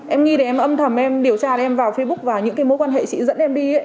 em nghĩ thì em âm thầm em điều tra em vào facebook và những cái mối quan hệ chị dẫn em đi